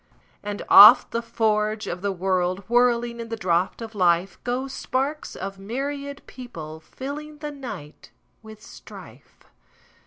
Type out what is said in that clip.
And off the forge of the world, Whirling in the draught of life, Go sparks of myriad people, fillingThe night with strife.